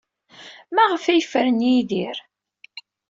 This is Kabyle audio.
Maɣef ay yefren Yidir?